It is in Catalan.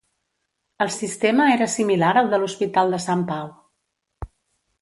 El sistema era similar al de l'Hospital de Sant Pau.